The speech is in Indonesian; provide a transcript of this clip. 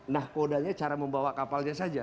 nah kodanya cara membawa kapalnya saja